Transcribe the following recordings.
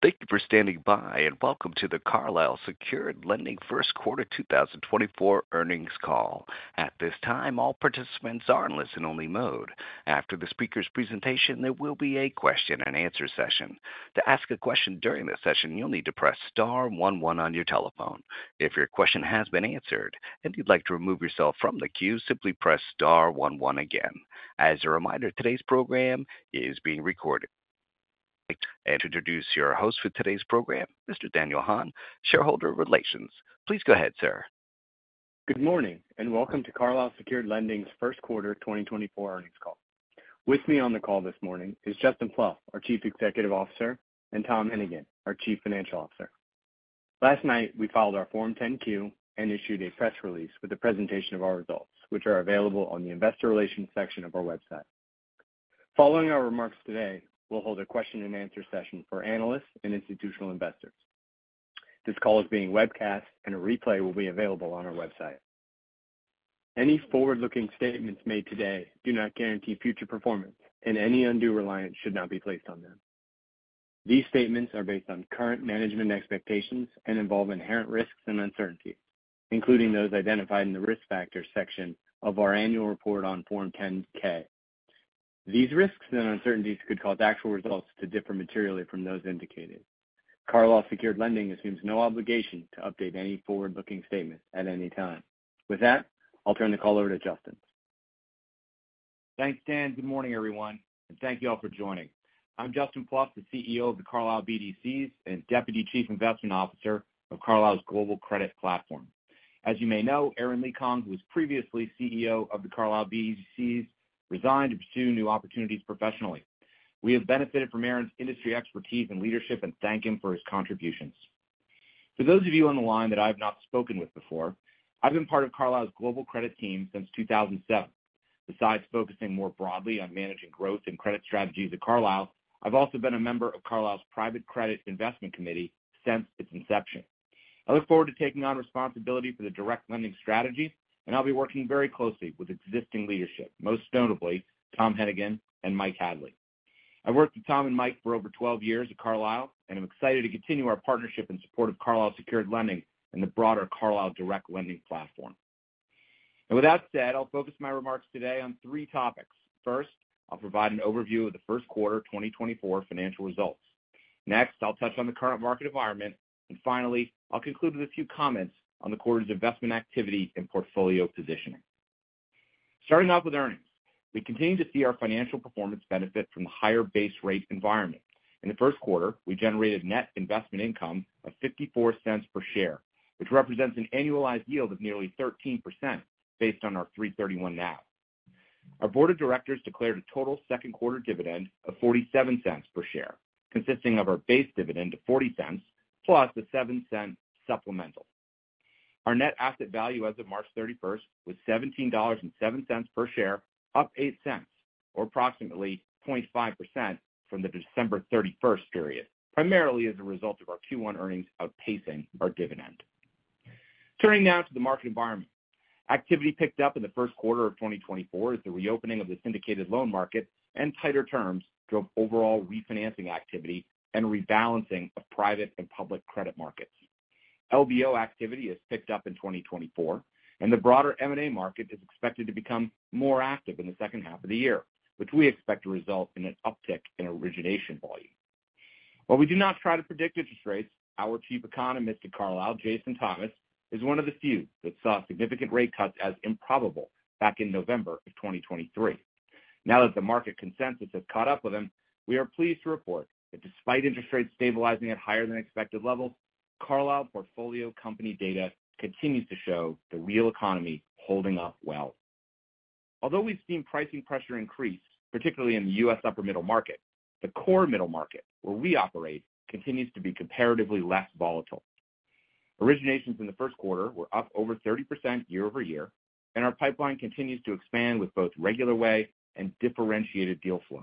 Thank you for standing by and welcome to the Carlyle Secured Lending First Quarter 2024 Earnings Call. At this time, all participants are in listen-only mode. After the speaker's presentation, there will be a question-and-answer session. To ask a question during the session, you'll need to press star one one on your telephone. If your question has been answered and you'd like to remove yourself from the queue, simply press star one one again. As a reminder, today's program is being recorded. I'd like to introduce your host for today's program, Mr. Daniel Hahn, Shareholder Relations. Please go ahead, sir. Good morning and welcome to Carlyle Secured Lending's First Quarter 2024 earnings call. With me on the call this morning is Justin Plouffe, our Chief Executive Officer, and Tom Hennigan, our Chief Financial Officer. Last night, we filed our Form 10-Q and issued a press release with a presentation of our results, which are available on the Investor Relations section of our website. Following our remarks today, we'll hold a question-and-answer session for analysts and institutional investors. This call is being webcast, and a replay will be available on our website. Any forward-looking statements made today do not guarantee future performance, and any undue reliance should not be placed on them. These statements are based on current management expectations and involve inherent risks and uncertainties, including those identified in the Risk Factors section of our annual report on Form 10-K. These risks and uncertainties could cause actual results to differ materially from those indicated. Carlyle Secured Lending assumes no obligation to update any forward-looking statements at any time. With that, I'll turn the call over to Justin. Thanks, Dan. Good morning, everyone, and thank you all for joining. I'm Justin Plouffe, the CEO of the Carlyle BDCs and Deputy Chief Investment Officer of Carlyle's Global Credit Platform. As you may know, Aren LeeKong, who was previously CEO of the Carlyle BDCs, resigned to pursue new opportunities professionally. We have benefited from Aren’s industry expertise and leadership and thank him for his contributions. For those of you on the line that I have not spoken with before, I've been part of Carlyle's Global Credit Team since 2007. Besides focusing more broadly on managing growth and credit strategies at Carlyle, I've also been a member of Carlyle's Private Credit Investment Committee since its inception. I look forward to taking on responsibility for the direct lending strategy, and I'll be working very closely with existing leadership, most notably Tom Hennigan and Mike Hadley. I've worked with Tom and Mike for over 12 years at Carlyle, and I'm excited to continue our partnership in support of Carlyle Secured Lending and the broader Carlyle Direct Lending Platform. With that said, I'll focus my remarks today on three topics. First, I'll provide an overview of the First Quarter 2024 financial results. Next, I'll touch on the current market environment. Finally, I'll conclude with a few comments on the quarter's investment activity and portfolio positioning. Starting off with earnings, we continue to see our financial performance benefit from the higher base rate environment. In the first quarter, we generated net investment income of $0.54 per share, which represents an annualized yield of nearly 13% based on our 3/31 NAV. Our board of directors declared a total second quarter dividend of $0.47 per share, consisting of our base dividend of $0.40 plus the $0.07 supplemental. Our net asset value as of March 31st was $17.07 per share, up $0.08 or approximately 0.5% from the December 31st period, primarily as a result of our Q1 earnings outpacing our dividend. Turning now to the market environment, activity picked up in the first quarter of 2024 as the reopening of the syndicated loan market and tighter terms drove overall refinancing activity and rebalancing of private and public credit markets. LBO activity has picked up in 2024, and the broader M&A market is expected to become more active in the second half of the year, which we expect to result in an uptick in origination volume. While we do not try to predict interest rates, our Chief Economist at Carlyle, Jason Thomas, is one of the few that saw significant rate cuts as improbable back in November of 2023. Now that the market consensus has caught up with him, we are pleased to report that despite interest rates stabilizing at higher than expected levels, Carlyle portfolio company data continues to show the real economy holding up well. Although we've seen pricing pressure increase, particularly in the U.S. upper middle market, the core middle market where we operate continues to be comparatively less volatile. Originations in the first quarter were up over 30% year-over-year, and our pipeline continues to expand with both regular-way and differentiated deal flow.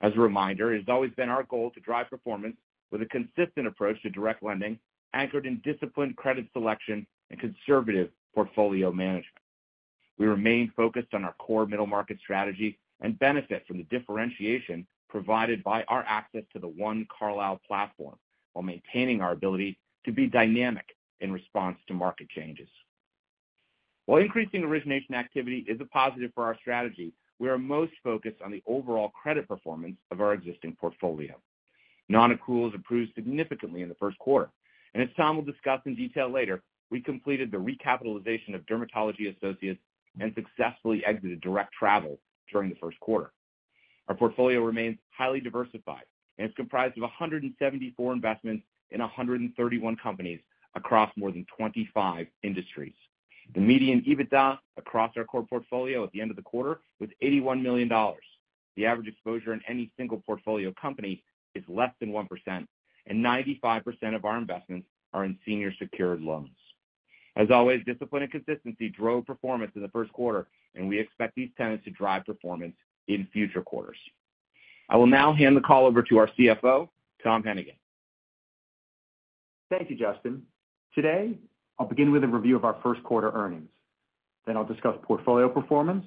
As a reminder, it has always been our goal to drive performance with a consistent approach to direct lending anchored in disciplined credit selection and conservative portfolio management. We remain focused on our core middle market strategy and benefit from the differentiation provided by our access to the One Carlyle Platform while maintaining our ability to be dynamic in response to market changes. While increasing origination activity is a positive for our strategy, we are most focused on the overall credit performance of our existing portfolio. Non-accruals improved significantly in the first quarter, and as Tom will discuss in detail later, we completed the recapitalization of Dermatology Associates and successfully exited Direct Travel during the first quarter. Our portfolio remains highly diversified and is comprised of 174 investments in 131 companies across more than 25 industries. The median EBITDA across our core portfolio at the end of the quarter was $81 million. The average exposure in any single portfolio company is less than 1%, and 95% of our investments are in senior secured loans. As always, discipline and consistency drove performance in the first quarter, and we expect these tenets to drive performance in future quarters. I will now hand the call over to our CFO, Tom Hennigan. Thank you, Justin. Today, I'll begin with a review of our first quarter earnings. Then I'll discuss portfolio performance,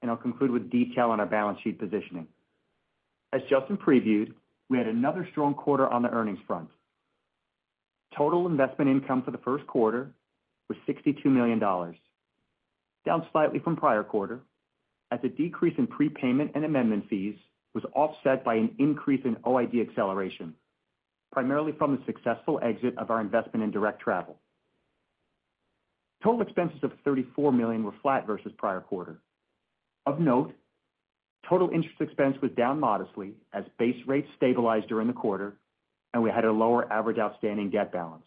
and I'll conclude with detail on our balance sheet positioning. As Justin previewed, we had another strong quarter on the earnings front. Total investment income for the first quarter was $62 million, down slightly from prior quarter as a decrease in prepayment and amendment fees was offset by an increase in OID acceleration, primarily from the successful exit of our investment in Direct Travel. Total expenses of $34 million were flat versus prior quarter. Of note, total interest expense was down modestly as base rates stabilized during the quarter, and we had a lower average outstanding debt balance.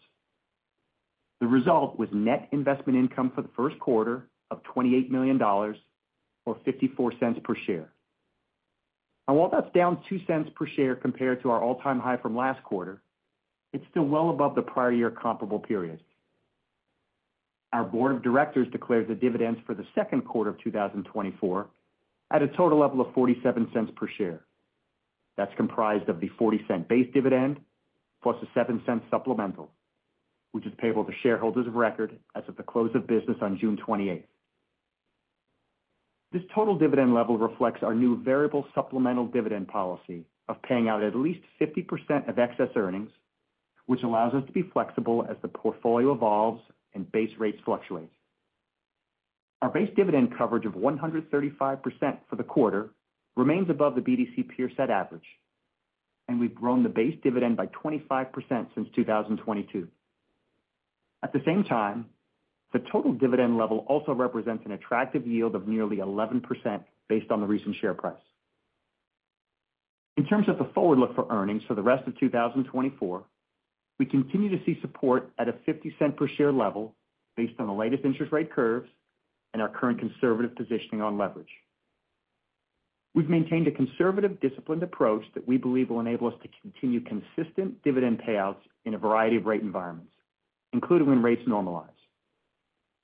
The result was net investment income for the first quarter of $28 million or $0.54 per share. While that's down $0.02 per share compared to our all-time high from last quarter, it's still well above the prior year comparable period. Our board of directors declared the dividends for the second quarter of 2024 at a total level of $0.47 per share. That's comprised of the $0.40 base dividend plus a $0.07 supplemental, which is payable to shareholders of record as of the close of business on June 28th. This total dividend level reflects our new variable supplemental dividend policy of paying out at least 50% of excess earnings, which allows us to be flexible as the portfolio evolves and base rates fluctuate. Our base dividend coverage of 135% for the quarter remains above the BDC peer set average, and we've grown the base dividend by 25% since 2022. At the same time, the total dividend level also represents an attractive yield of nearly 11% based on the recent share price. In terms of the forward look for earnings for the rest of 2024, we continue to see support at a $0.50 per share level based on the latest interest rate curves and our current conservative positioning on leverage. We've maintained a conservative disciplined approach that we believe will enable us to continue consistent dividend payouts in a variety of rate environments, including when rates normalize,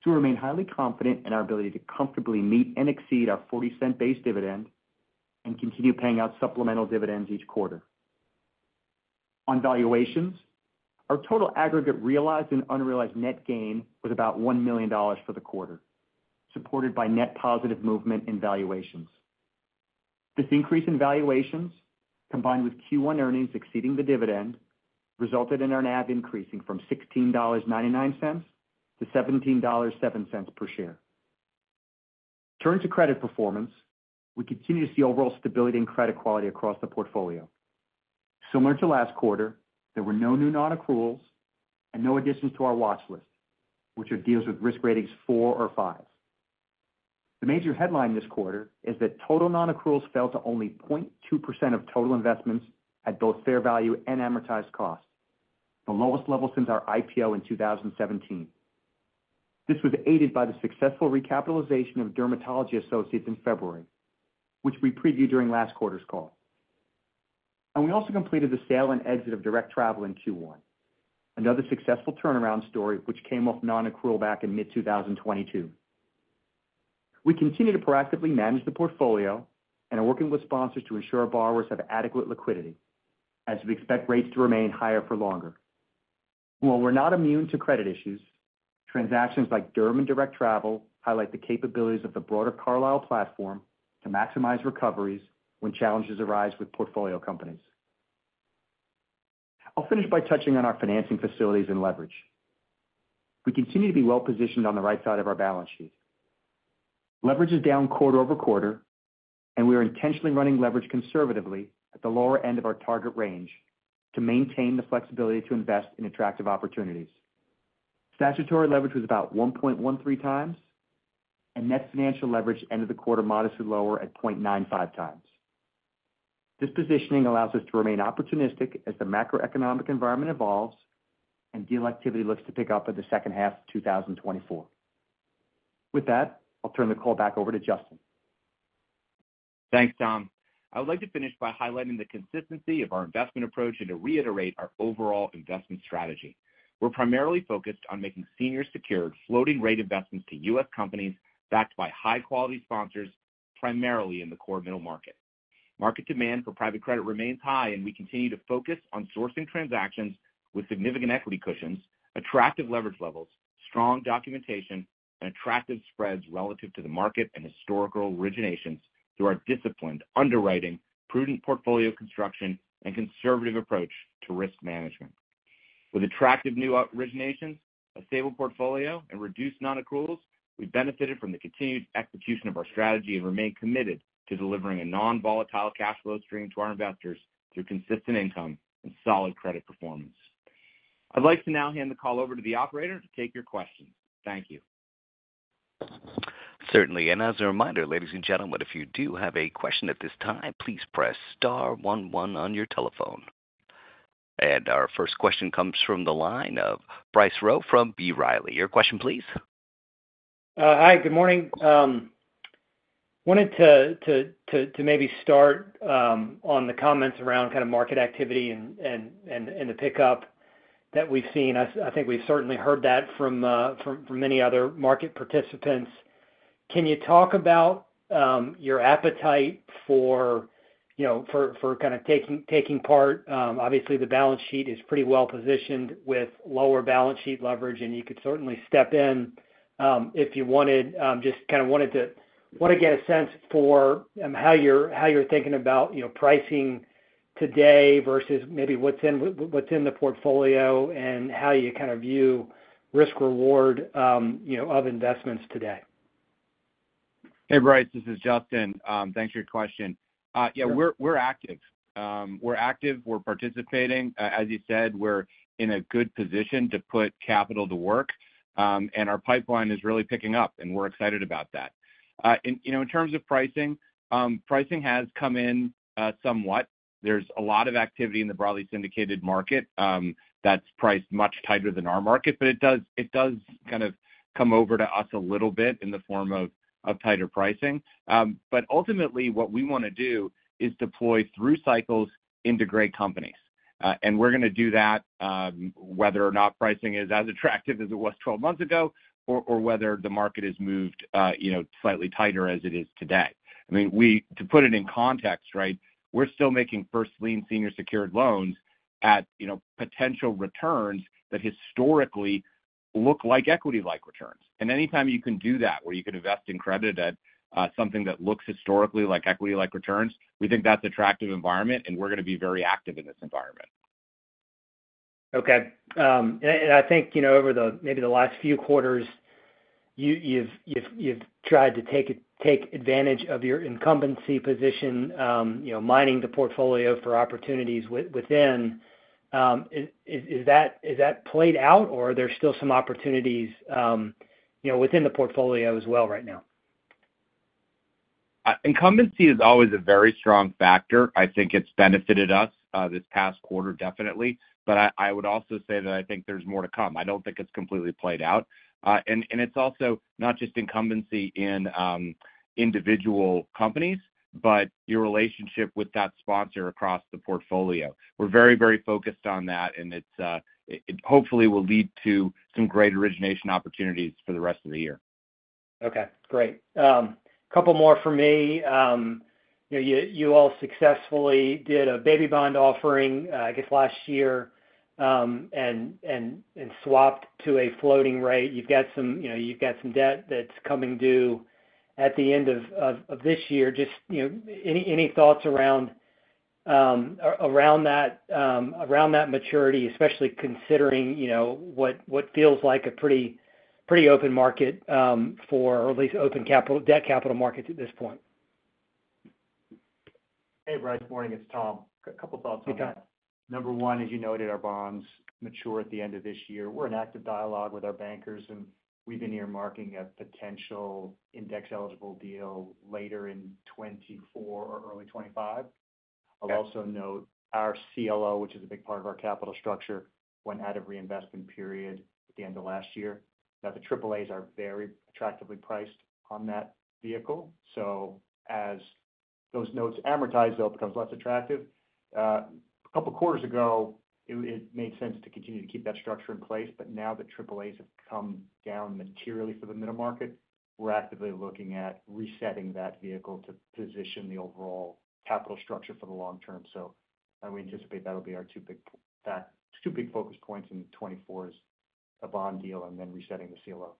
to remain highly confident in our ability to comfortably meet and exceed our $0.40 base dividend and continue paying out supplemental dividends each quarter. On valuations, our total aggregate realized and unrealized net gain was about $1 million for the quarter, supported by net positive movement in valuations. This increase in valuations, combined with Q1 earnings exceeding the dividend, resulted in our NAV increasing from $16.99 to $17.07 per share. Turning to credit performance, we continue to see overall stability and credit quality across the portfolio. Similar to last quarter, there were no new non-accruals and no additions to our watchlist, which are deals with risk ratings 4 or 5. The major headline this quarter is that total non-accruals fell to only 0.2% of total investments at both fair value and amortized cost, the lowest level since our IPO in 2017. This was aided by the successful recapitalization of Dermatology Associates in February, which we previewed during last quarter's call. And we also completed the sale and exit of Direct Travel in Q1, another successful turnaround story which came off non-accrual back in mid-2022. We continue to proactively manage the portfolio and are working with sponsors to ensure borrowers have adequate liquidity as we expect rates to remain higher for longer. While we're not immune to credit issues, transactions like Derm and Direct Travel highlight the capabilities of the broader Carlyle platform to maximize recoveries when challenges arise with portfolio companies. I'll finish by touching on our financing facilities and leverage. We continue to be well positioned on the right side of our balance sheet. Leverage is down quarter-over-quarter, and we are intentionally running leverage conservatively at the lower end of our target range to maintain the flexibility to invest in attractive opportunities. Statutory leverage was about 1.13 times, and net financial leverage end of the quarter modestly lower at 0.95 times. This positioning allows us to remain opportunistic as the macroeconomic environment evolves and deal activity looks to pick up in the second half of 2024. With that, I'll turn the call back over to Justin. Thanks, Tom. I would like to finish by highlighting the consistency of our investment approach and to reiterate our overall investment strategy. We're primarily focused on making senior secured floating rate investments to US companies backed by high-quality sponsors, primarily in the core middle market. Market demand for private credit remains high, and we continue to focus on sourcing transactions with significant equity cushions, attractive leverage levels, strong documentation, and attractive spreads relative to the market and historical originations through our disciplined underwriting, prudent portfolio construction, and conservative approach to risk management. With attractive new originations, a stable portfolio, and reduced non-accruals, we've benefited from the continued execution of our strategy and remain committed to delivering a non-volatile cash flow stream to our investors through consistent income and solid credit performance. I'd like to now hand the call over to the operator to take your questions. Thank you. Certainly. As a reminder, ladies and gentlemen, if you do have a question at this time, please press star 11 on your telephone. Our first question comes from the line of Bryce Rowe from B. Riley. Your question, please. Hi. Good morning. Wanted to maybe start on the comments around kind of market activity and the pickup that we've seen. I think we've certainly heard that from many other market participants. Can you talk about your appetite for kind of taking part? Obviously, the balance sheet is pretty well positioned with lower balance sheet leverage, and you could certainly step in if you wanted. Just kind of wanted to get a sense for how you're thinking about pricing today versus maybe what's in the portfolio and how you kind of view risk-reward of investments today. Hey, Bryce. This is Justin. Thanks for your question. Yeah, we're active. We're active. We're participating. As you said, we're in a good position to put capital to work, and our pipeline is really picking up, and we're excited about that. In terms of pricing, pricing has come in somewhat. There's a lot of activity in the broadly syndicated market that's priced much tighter than our market, but it does kind of come over to us a little bit in the form of tighter pricing. But ultimately, what we want to do is deploy through cycles into great companies. And we're going to do that whether or not pricing is as attractive as it was 12 months ago or whether the market has moved slightly tighter as it is today. I mean, to put it in context, right, we're still making first-lien senior secured loans at potential returns that historically look like equity-like returns. And anytime you can do that where you can invest in credit at something that looks historically like equity-like returns, we think that's an attractive environment, and we're going to be very active in this environment. Okay. I think over maybe the last few quarters, you've tried to take advantage of your incumbency position, mining the portfolio for opportunities within. Has that played out, or are there still some opportunities within the portfolio as well right now? Incumbency is always a very strong factor. I think it's benefited us this past quarter, definitely. I would also say that I think there's more to come. I don't think it's completely played out. It's also not just incumbency in individual companies, but your relationship with that sponsor across the portfolio. We're very, very focused on that, and it hopefully will lead to some great origination opportunities for the rest of the year. Okay. Great. A couple more from me. You all successfully did a baby bond offering, I guess, last year and swapped to a floating rate. You've got some debt that's coming due at the end of this year. Just any thoughts around that maturity, especially considering what feels like a pretty open market for or at least open debt capital markets at this point? Hey, Bryce. Morning. It's Tom. A couple thoughts on that. Number one, as you noted, our bonds mature at the end of this year. We're in active dialogue with our bankers, and we've been earmarking a potential index-eligible deal later in 2024 or early 2025. I'll also note our CLO, which is a big part of our capital structure, went out of reinvestment period at the end of last year. Now, the AAAs are very attractively priced on that vehicle. So as those notes amortize, though, it becomes less attractive. A couple quarters ago, it made sense to continue to keep that structure in place. But now that AAAs have come down materially for the middle market, we're actively looking at resetting that vehicle to position the overall capital structure for the long term. So we anticipate that'll be our two big focus points in 2024 is a bond deal and then resetting the CLO.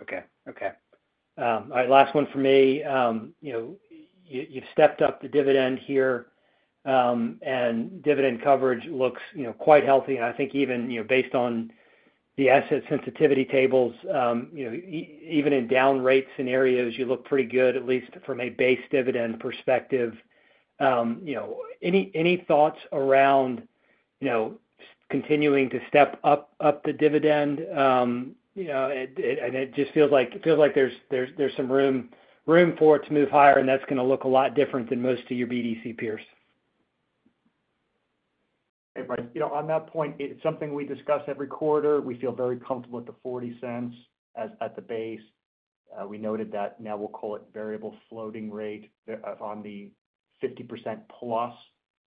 Okay. Okay. All right. Last one from me. You've stepped up the dividend here, and dividend coverage looks quite healthy. And I think even based on the asset sensitivity tables, even in down-rate scenarios, you look pretty good, at least from a base dividend perspective. Any thoughts around continuing to step up the dividend? And it just feels like there's some room for it to move higher, and that's going to look a lot different than most of your BDC peers. Hey, Bryce. On that point, it's something we discuss every quarter. We feel very comfortable at the $0.40 at the base. We noted that. Now, we'll call it variable floating rate on the 50% plus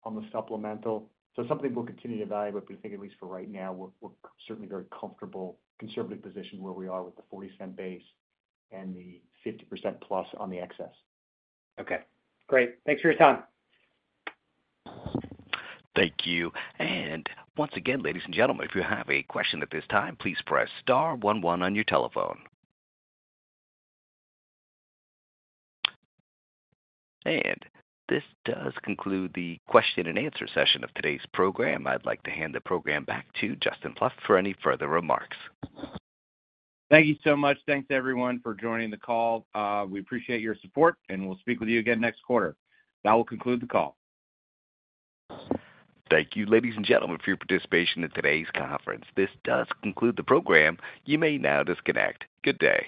on the supplemental. So it's something we'll continue to evaluate, but we think at least for right now, we're certainly very comfortable, conservatively positioned where we are with the $0.40 base and the 50% plus on the excess. Okay. Great. Thanks for your time. Thank you. And once again, ladies and gentlemen, if you have a question at this time, please press star 11 on your telephone. And this does conclude the question-and-answer session of today's program. I'd like to hand the program back to Justin Plouffe for any further remarks. Thank you so much. Thanks, everyone, for joining the call. We appreciate your support, and we'll speak with you again next quarter. That will conclude the call. Thank you, ladies and gentlemen, for your participation in today's conference. This does conclude the program. You may now disconnect. Good day.